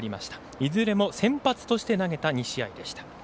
いずれも先発として投げた２試合でした。